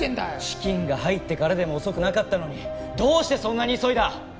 資金が入ってからでも遅くなかったのにどうしてそんなに急いだ？